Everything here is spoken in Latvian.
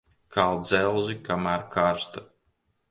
Kal dzelzi, kamēr karsta.